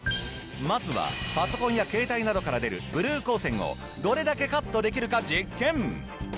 まずはパソコンや携帯などから出るブルー光線をどれだけカットできるか実験！